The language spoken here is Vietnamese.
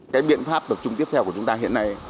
cái biện pháp tập trung tiếp theo của chúng ta hiện nay